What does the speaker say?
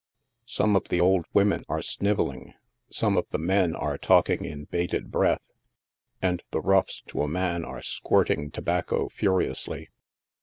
Some of the old women are snivelling, some of the men are talking in bated breath, and the roughs to a man are squirting tobacco furiously.